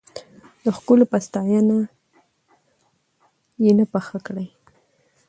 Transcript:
د ښکلو په ستاينه، ينه پخه کړې